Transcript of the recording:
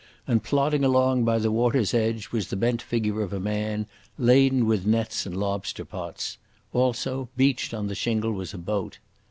And, plodding along by the water's edge, was the bent figure of a man, laden with nets and lobster pots. Also, beached on the shingle was a boat.